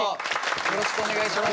よろしくお願いします。